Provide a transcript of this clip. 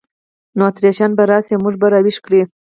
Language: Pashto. نو اتریشیان به راشي او موږ به را ویښ کړي.